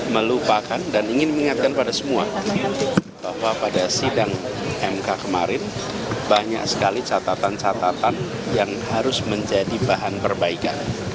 melupakan dan ingin mengingatkan pada semua bahwa pada sidang mk kemarin banyak sekali catatan catatan yang harus menjadi bahan perbaikan